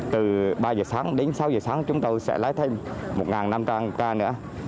từ ba h sáng đến sáu h sáng chúng tôi sẽ lấy thêm một năm trăm linh ca nữa